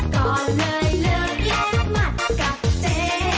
ก่อนเลยเลิกแยกหมัดกับเจ๊